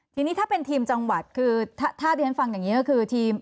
ทีนี้ถ้าเป็นทีมจังหวัดคือถ้าที่ฉันฟังอย่างนี้ก็คือทีม